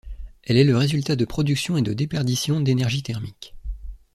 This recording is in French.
Elle est le résultat de production et de déperdition d'énergie thermique.